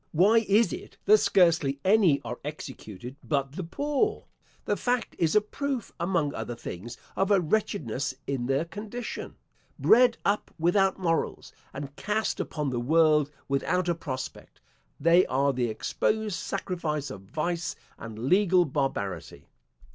Why is it that scarcely any are executed but the poor? The fact is a proof, among other things, of a wretchedness in their condition. Bred up without morals, and cast upon the world without a prospect, they are the exposed sacrifice of vice and legal barbarity.